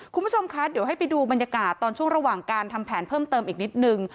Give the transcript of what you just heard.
คุณผู้ชมคะเดี๋ยวให้ไปดูบรรยากาศตอนช่วงระหว่างการทำแผนเพิ่มเติมอีกนิดนึง